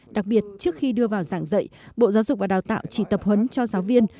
đặc biệt trước khi đưa vào giảng dạy bộ giáo dục và đào tạo chỉ tập huấn cho giáo viên